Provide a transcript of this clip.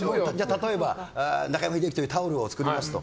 例えば「中山秀征」というタオルを作りますと。